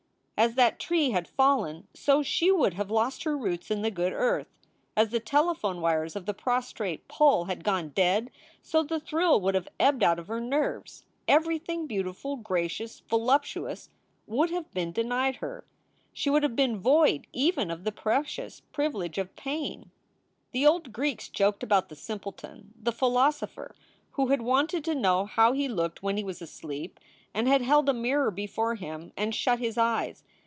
As that tree had fallen so she would have lost her roots in the good earth. As the telephone wires of the prostrate pole had gone dead, so the thrill would have ebbed out of her nerves; everything beautiful, gracious, voluptuous, would have been denied her. She would have been void even of the precious privilege of pain. The old Greeks joked about the simpleton, the philoso pher, who had wanted to know how he looked when he was asleep and had held a mirror before him and shut his eyes.